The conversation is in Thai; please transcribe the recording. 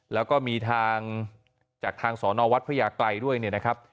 แล้วก็มีทางจากทางสอนอวัดพระยากรัยด้วยเนี่ยนะครับ